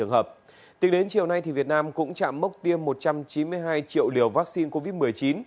hôm nay việt nam cũng chạm mốc tiêm một trăm chín mươi hai triệu liều vaccine covid một mươi chín